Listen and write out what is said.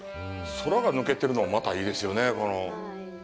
空が抜けてるのもまたいいですよね、この。